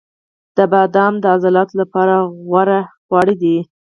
• بادام د عضلاتو لپاره غوره خواړه دي.